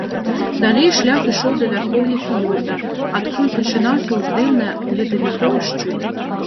Далей шлях ішоў да вярхоўя фіёрда, адкуль пачынаўся ўздым на ледавіковы шчыт.